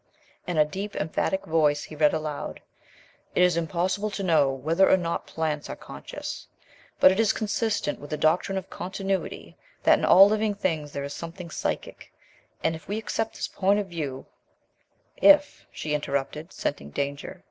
In a deep, emphatic voice he read aloud: '"It is impossible to know whether or not plants are conscious; but it is consistent with the doctrine of continuity that in all living things there is something psychic, and if we accept this point of view '" "If," she interrupted, scenting danger.